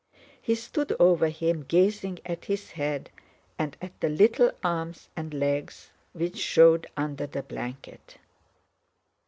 He stood over him, gazing at his head and at the little arms and legs which showed under the blanket.